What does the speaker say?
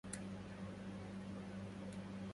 لن تنجح.